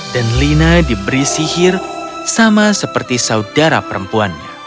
dan lina diberi sihir sama seperti saudara perempuannya